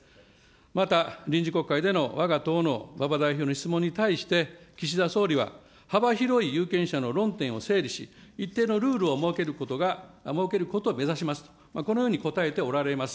また、臨時国会での、わが党の馬場代表の質問に対して、岸田総理は、幅広い有権者の論点を整理し、一定のルールを設けることが、設けることを目指しますと、このように答えておられます。